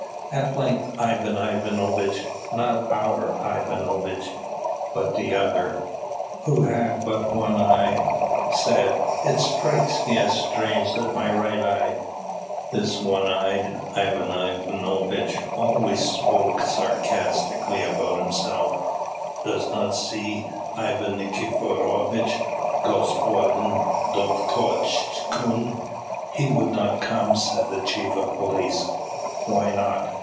At length Ivan Ivanovitch not our Ivan Ivanovitch, but the other, who had but one eye said, "It strikes me as strange that my right eye," this one eyed Ivan Ivanovitch always spoke sarcastically about himself, "does not see Ivan Nikiforovitch, Gospodin Dovgotchkun." "He would not come," said the chief of police. "Why not?"